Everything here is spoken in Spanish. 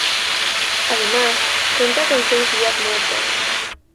Además cuenta con seis vías muertas.